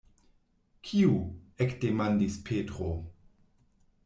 Kiu? ekdemandis Petro.